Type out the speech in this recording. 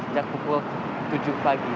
sejak pukul tujuh pagi